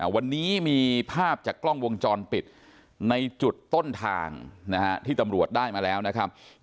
วันนี้มีภาพจากกล้องวงจรปิดในจุดต้นทางที่ตำรวจได้มาแล้วนะครับ